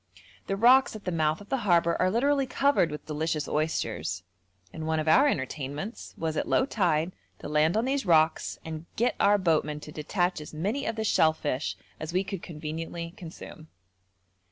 The rocks at the mouth of the harbour are literally covered with delicious oysters, and one of our entertainments was at low tide to land on these rocks and get our boatmen to detach as many of the shellfish as we could conveniently consume.